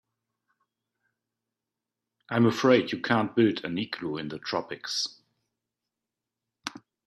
I'm afraid you can't build an igloo in the tropics.